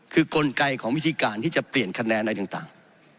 คือกลไกของวิธีการที่จะเปลี่ยนคะแนนอะไรต่าง